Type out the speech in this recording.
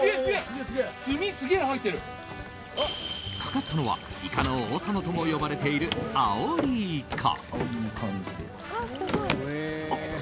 かかったのはイカの王様とも呼ばれているアオリイカ。